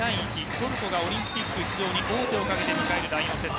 トルコがオリンピック出場に王手をかけて迎える第２セット。